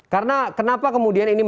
karena kenapa kemudian ini